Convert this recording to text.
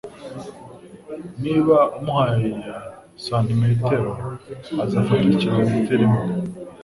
Niba umuhaye santimetero, azafata kilometero imwe